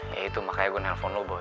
ya itu makanya gue nelfon lu boy